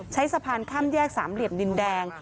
ใช้สะพานข้ามแยกสามเหลี่ยมดินแดง